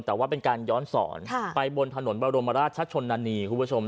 แต่ว่าเป็นการย้อนสอนไปบนถนนบรมราชชนนานีคุณผู้ชม